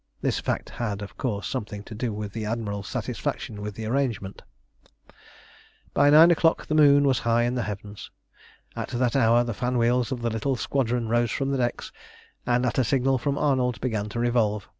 This fact had, of course, something to do with the Admiral's satisfaction with the arrangement. By nine o'clock the moon was high in the heavens. At that hour the fan wheels of the little squadron rose from the decks, and at a signal from Arnold began to revolve.